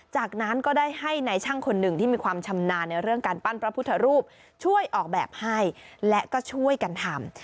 จากนั้นก็ได้ให้นายช่างคนหนึ่งที่มีความชำนาญในเรื่องการปั้นพระพุทธรูปช่วยออกแบบให้และก็ช่วยกันทำ